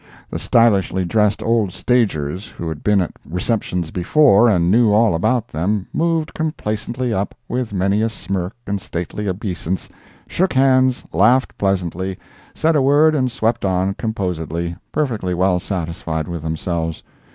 The stylishly dressed old stagers who had been at receptions before, and knew all about them, moved complacently up, with many a smirk and stately obeisance, shook hands, laughed pleasantly, said a word, and swept on, composedly—perfectly well satisfied with themselves.